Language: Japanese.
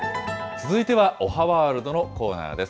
続いてはおはワールドのコーナーです。